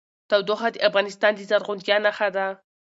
تودوخه د افغانستان د زرغونتیا نښه ده.